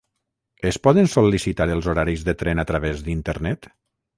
Es poden sol·licitar els horaris de tren a través d'internet?